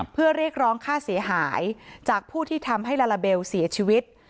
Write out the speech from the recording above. เพื่อเรียกร้องค่าเสียหายจากผู้ที่ทำให้ลาลาเบลเสียชีวิต